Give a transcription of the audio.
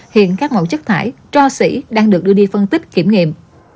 hiện các mẫu chất thải tro sỉ đang được đưa đi phân tích kiểm nghiệm